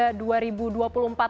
karena banyak yang menarik